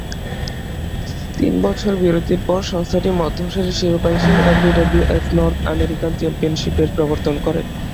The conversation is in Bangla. তিন বছর বিরতির পর সংস্থাটি মধ্যম সারির শিরোপা হিসেবে ডাব্লিউডাব্লিউএফ নর্থ আমেরিকান চ্যাম্পিয়নশিপের প্রবর্তন করে।